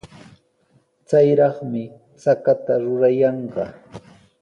Chayraqmi chakata rurayanqa.